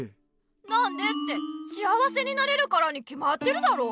なんでって幸せになれるからにきまってるだろ。